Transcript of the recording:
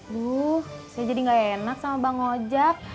duh saya jadi gak enak sama bang ojek